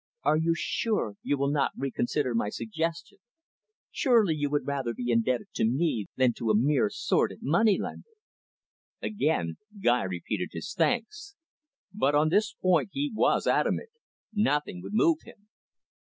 "Are you sure you will not reconsider my suggestion? Surely you would rather be indebted to me than to a mere sordid moneylender?" Again Guy repeated his thanks. But on this point he was adamant; nothing would move him.